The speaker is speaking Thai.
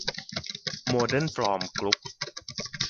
โมเดอร์นฟอร์มกรุ๊ป